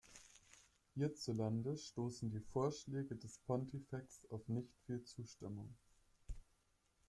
Hierzulande stoßen die Vorschläge des Pontifex auf nicht viel Zustimmung.